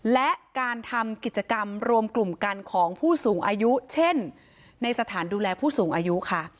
และการทำกิจกรรมรวมกลุ่มกันของผู้สูงอายุเช่นในสถานดูแลผู้สูงอายุค่ะ